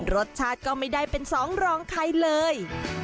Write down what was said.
รสชาติก็ไม่ได้เป็นสองรองใครเลย